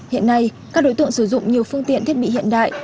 hiện nay các đối tượng sử dụng nhiều phương tiện thiết bị hiện đại